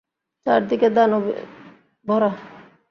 চারদিকে দানবে ভরা।